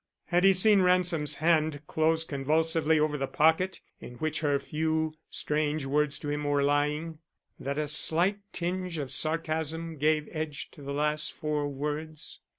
Had he seen Ransom's hand close convulsively over the pocket in which her few strange words to him were lying, that a slight tinge of sarcasm gave edge to the last four words?